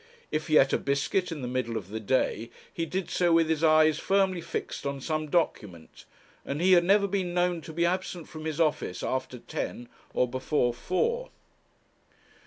If he ate a biscuit in the middle of the day, he did so with his eyes firmly fixed on some document, and he had never been known to be absent from his office after ten or before four.